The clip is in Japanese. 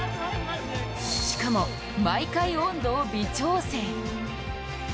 しかも、毎回温度を微調整。